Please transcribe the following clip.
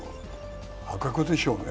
破格でしょうね。